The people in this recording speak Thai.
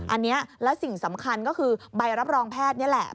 อันนี้แล้วสิ่งสำคัญก็คือใบรับรองแพทย์นี่แหละ